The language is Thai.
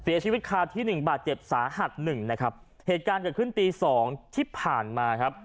เสียชีวิตคาที่หนึ่งบาดเจ็บสาหัสหนึ่งนะครับเหตุการณ์เกิดขึ้นตีสองที่ผ่านมาครับ